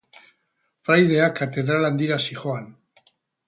Fraidea katedral handira zihoan.